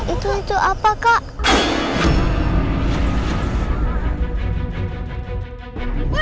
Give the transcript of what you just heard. itu untuk apa kak